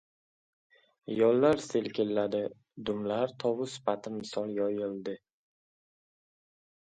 Yollar selkilladi. Dumlar tovus pati misol yoyildi.